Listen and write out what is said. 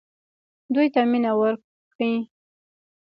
دوی ته مینه ورکړئ